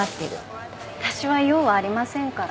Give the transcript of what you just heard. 私は用はありませんから。